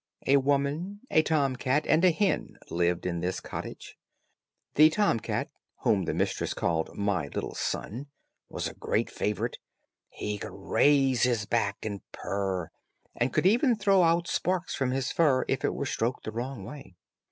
A woman, a tom cat, and a hen lived in this cottage. The tom cat, whom the mistress called, "My little son," was a great favorite; he could raise his back, and purr, and could even throw out sparks from his fur if it were stroked the wrong way.